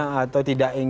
sudah pede dong